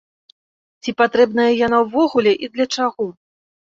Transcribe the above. Ці патрэбная яна ўвогуле і для чаго?